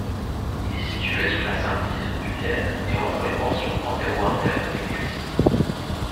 Il est situé sous la symphyse pubienne et entre les portions antéro-internes des cuisses.